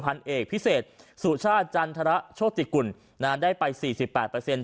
พันธุ์เอกพิเศษสูชาจันทรชศจิกุลได้ไป๔๘เปอร์เซ็นต์